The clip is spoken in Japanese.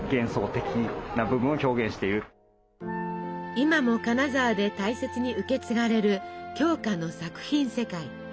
今も金沢で大切に受け継がれる鏡花の作品世界。